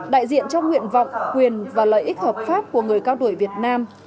đại diện cho nguyện vọng quyền và lợi ích hợp pháp của người cao tuổi việt nam